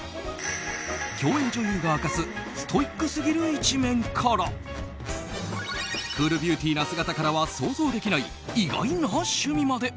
共演女優が明かすストイックすぎる一面からクールビューティーな姿からは想像できない意外な趣味まで。